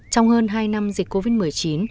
trong hơn hai năm dịch covid một mươi chín